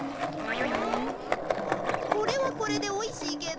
これはこれでおいしいけど。